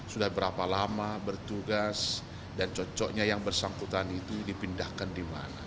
sudah berapa lama bertugas dan cocoknya yang bersangkutan itu dipindahkan di mana